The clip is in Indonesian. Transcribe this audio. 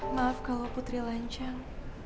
maaf kalau putri lancang